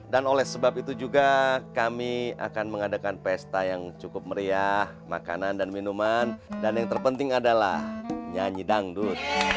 dan oleh sebab itu juga kami akan mengadakan pesta yang cukup meriah makanan dan minuman dan yang terpenting adalah nyanyi dangdut